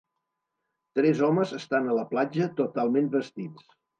Tres homes estan a la platja, totalment vestits.